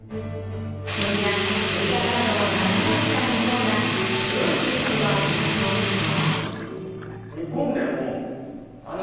鶏や鶏ガラなどを長い時間煮込んだ白いスープが特徴ですが。